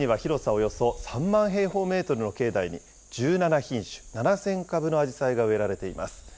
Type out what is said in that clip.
およそ３万平方メートルの境内に、１７品種７０００株のアジサイが植えられています。